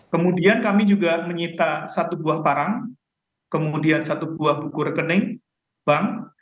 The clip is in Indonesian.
kemudian kami juga menyita satu buah parang kemudian satu buah buku rekening bank